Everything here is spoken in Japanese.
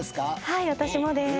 はい私もです。